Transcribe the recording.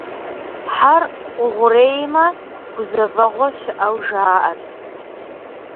Хьэр къугъуреймэ, гузэвэгъуэ щыӏэу жаӏэрт.